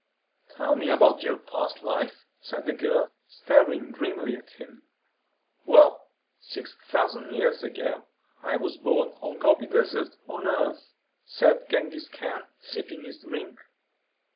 "Tell me about your past life," said the girl, staring dreamily at him. "Well, six thousand years ago, I was born in the Gobi Desert, on Earth," said Genghis Khan, sipping his drink.